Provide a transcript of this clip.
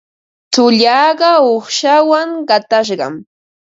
Tsullaaqa uuqshawan qatashqam.